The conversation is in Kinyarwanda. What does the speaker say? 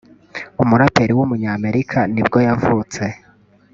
umuraperi w’umunyamerika nibwo yavutse